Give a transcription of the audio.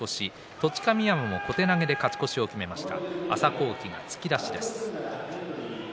栃神山も小手投げで勝ち越しを決めました。